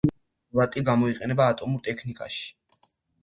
ჰოლმიუმის ბორატი გამოიყენება ატომურ ტექნიკაში.